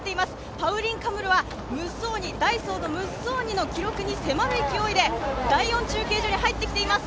パウリン・カムルはムッソーニの記録に迫る勢いで第４中継所に入ってきています。